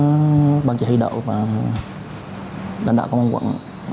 nhãn định của ban chỉ huy đậu và lãnh đạo công an quận